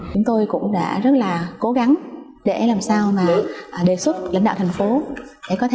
chúng tôi cũng đã rất là cố gắng để làm sao mà đề xuất lãnh đạo thành phố